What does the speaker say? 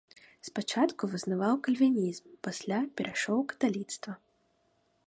Спачатку вызнаваў кальвінізм, пасля перайшоў у каталіцтва.